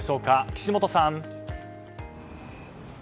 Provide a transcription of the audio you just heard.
岸本さん。